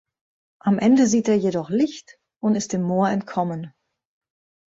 Am Ende sieht er jedoch Licht und ist dem Moor entkommen.